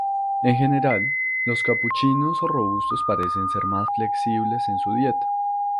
En general, los capuchinos robustos parecen ser más flexibles en su dieta.